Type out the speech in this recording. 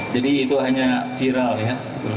jadi itu hanya viral ya